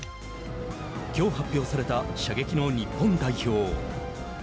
きょう発表された射撃の日本代表。